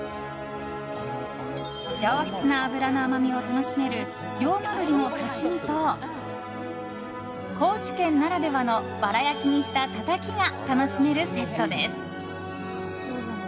上質な脂の甘みを楽しめる龍馬鰤の刺し身と高知県ならではのわら焼きにしたたたきが楽しめるセットです。